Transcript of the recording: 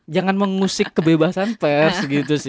jangan mengusik kebebasan pers